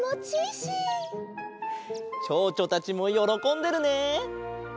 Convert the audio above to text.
ちょうちょたちもよろこんでるね！